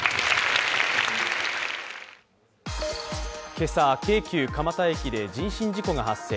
今朝、京急蒲田駅で人身事故が発生。